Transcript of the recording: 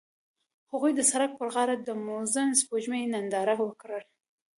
هغوی د سړک پر غاړه د موزون سپوږمۍ ننداره وکړه.